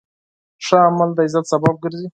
ښه عمل د عزت سبب ګرځي.